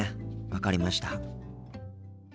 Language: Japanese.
分かりました。